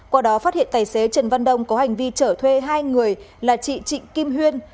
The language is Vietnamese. qua đó phát hiện tài xế trần văn đông có hành vi chở thuê hai người là chị trịnh kim huyên